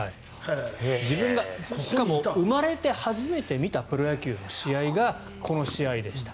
自分が生まれて初めて見たプロ野球の試合がこの試合でした。